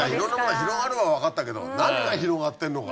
広がるのは分かったけど何が広がってんのか。